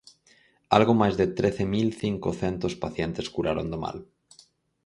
Algo máis de trece mil cincocentos pacientes curaron do mal.